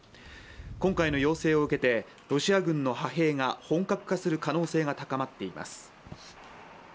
今回の要請を受けてロシア軍の派兵が本格化する可能性が高まっています。